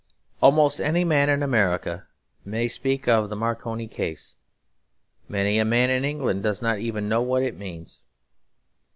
Almost any man in America may speak of the Marconi Case; many a man in England does not even know what it means.